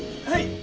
はい。